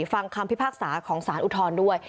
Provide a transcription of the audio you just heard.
ฟังคำพิพากษาของสารอุทธรณ์ด้วย